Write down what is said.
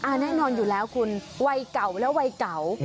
แน่นอนอยู่แล้วคุณวัยเก่าและวัยเก่า